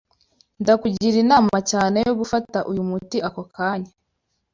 Ndakugira inama cyane yo gufata uyu muti ako kanya.